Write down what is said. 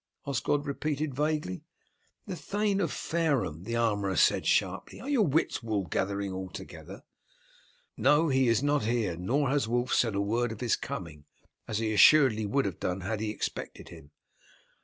Osgod repeated vaguely. "The Thane of Fareham," the armourer said sharply. "Are your wits wool gathering altogether?" "No, he is not here; nor has Wulf said a word of his coming, as he assuredly would have done had he expected him."